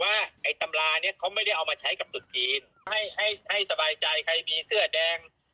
ว่าเนี่ยไม่ได้เอามาใช้กับจุดจีนให้สบายใจใครมีเสื้อแดง